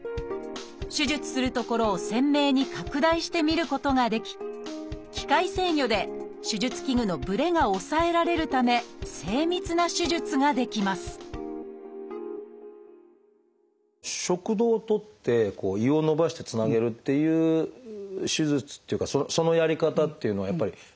手術する所を鮮明に拡大して見ることができ機械制御で手術器具のぶれが抑えられるため精密な手術ができます食道を取って胃を伸ばしてつなげるっていう手術っていうかそのやり方っていうのはやっぱりパターンとしては多いんですか？